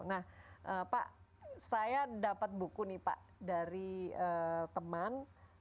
nah pak saya dapat buku nih pak dari teman